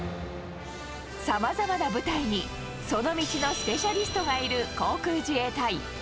さまざまな部隊にその道のスペシャリストがいる航空自衛隊。